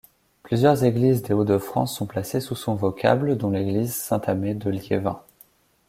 Plusieurs églises des Hauts-de-France sont placées sous son vocable dont l'église Saint-Amé de Liévin.